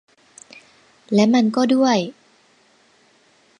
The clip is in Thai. และมันก็ด้วย